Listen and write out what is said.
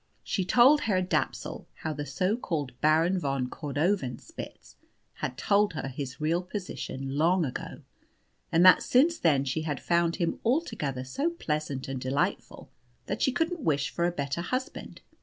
She told Herr Dapsul how the so called Baron von Cordovanspitz had told her his real position long ago, and that since then she had found him altogether so pleasant and delightful that she couldn't wish for a better husband.